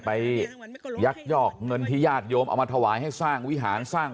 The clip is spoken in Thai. ยักยอกเงินที่ญาติโยมเอามาถวายให้สร้างวิหารสร้าง